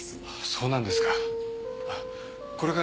そうなんですか。